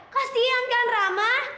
kasian kan rama